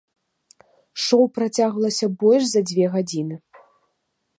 Шоў працягвалася больш за дзве гадзіны.